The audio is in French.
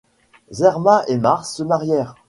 Zermah et Mars se marièrent.